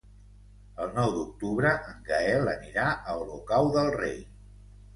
El nou d'octubre en Gaël anirà a Olocau del Rei.